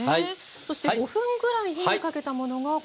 そして５分ぐらい火にかけたものがこちらです。